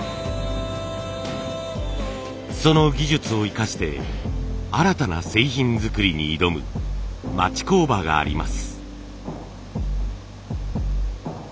その技術を生かして新たな製品作りに挑む町工場があります。